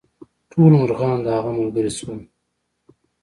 ټول مرغان د هغه ملګري شول.